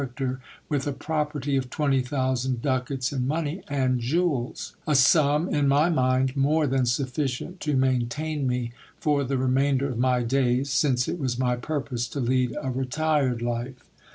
acter, with a property of twenty thousand ducats in money and jewels : a sum in my mind more than sufficient to maintain me for the remainder of my days, since it was my purpose to lead a retired life.